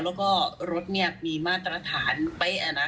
แล้วก็รถมีมาตรฐานเป๊ะ